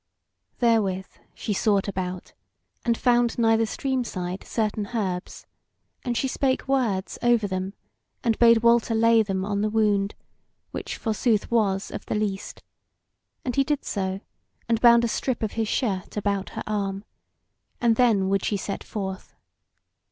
Therewith she sought about, and found nigh the stream side certain herbs; and she spake words over them, and bade Walter lay them on the wound, which, forsooth, was of the least, and he did so, and bound a strip of his shirt about her arm; and then would she set forth.